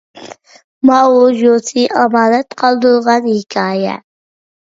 ماۋزۇسى ئامانەت قالدۇرۇلغان ھېكايە